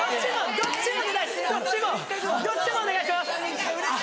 どっちもお願いします。